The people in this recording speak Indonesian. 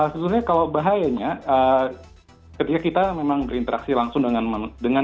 sebenarnya kalau bahayanya ketika kita memang berinteraksi langsung dengan hewan atau satwa liar tersebut